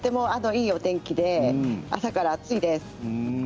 いいお天気で朝から暑いです。